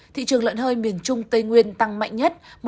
thị trường lợn hơi miền trung tây nguyên tăng mạnh nhất